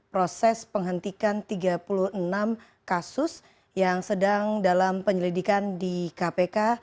proses penghentikan tiga puluh enam kasus yang sedang dalam penyelidikan di kpk